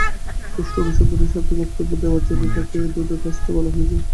সুষ্ঠু অনুসন্ধানের স্বার্থে বক্তব্য দেওয়ার জন্য তাঁকে দুদকে আসতে বলা হয়েছে।